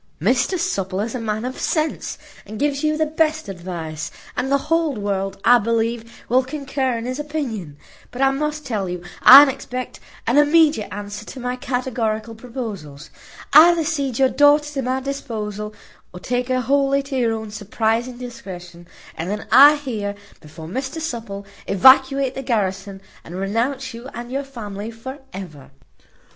Mr Supple is a man of sense, and gives you the best advice; and the whole world, I believe, will concur in his opinion; but I must tell you I expect an immediate answer to my categorical proposals. Either cede your daughter to my disposal, or take her wholly to your own surprizing discretion, and then I here, before Mr Supple, evacuate the garrison, and renounce you and your family for ever."